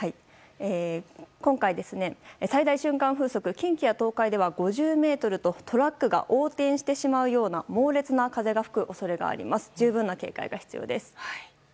今回、最大瞬間風速近畿や東海では５０メートルとトラックが横転してしまうような猛烈な風が吹く恐れがあり十分な警戒が必要です。